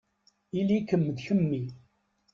Ili-kem d kemmi.